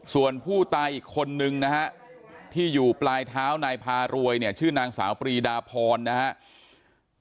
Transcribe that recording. ส่วนผู้ตายอีกคนนึงนะฮะที่อยู่ปลายเท้านายพารวยเนี่ยชื่อนางสาวปรีดาพรนะครับ